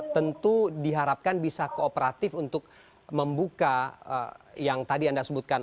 tentu diharapkan bisa kooperatif untuk membuka yang tadi anda sebutkan